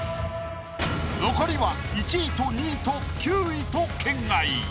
残りは１位と２位と９位と圏外。